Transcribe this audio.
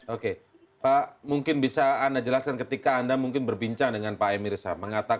oke pak mungkin bisa anda jelaskan ketika anda mungkin berbincang dengan pak emir sam